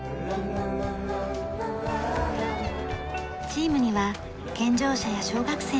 チームには健常者や小学生もいます。